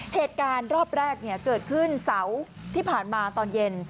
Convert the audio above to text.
เหตุการณ์รอบแรกเกิดขึ้นเสาร์ที่ผ่านมาตอนเย็น